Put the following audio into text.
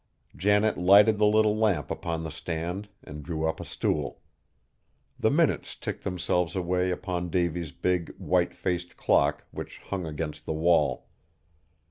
Janet lighted the little lamp upon the stand, and drew up a stool. The minutes ticked themselves away upon Davy's big, white faced clock which hung against the wall.